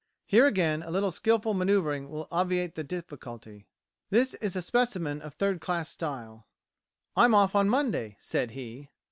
Here, again, a little skilful manoevring will obviate the difficulty. This is a specimen of third class style. "I'm off on Monday," said he.